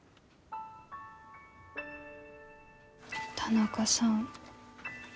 田中さん